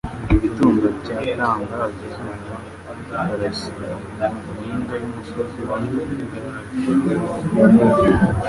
Igitondo cyatangaza, izuba rikarasira mu mpinga y'umusozi wa Elayono,